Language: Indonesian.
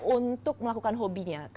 untuk melakukan hobinya